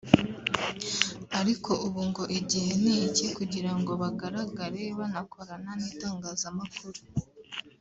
ariko ubu ngo igihe ni iki kugira ngo bagaragare banakorana n’itangazamakuru